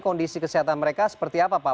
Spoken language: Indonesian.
kondisi kesehatan mereka seperti apa pak